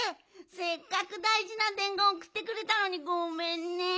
せっかくだいじなでんごんおくってくれたのにごめんね。